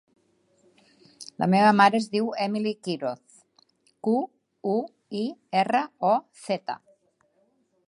La meva mare es diu Emily Quiroz: cu, u, i, erra, o, zeta.